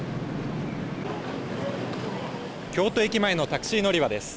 京都駅前のタクシー乗り場です。